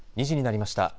２時になりました。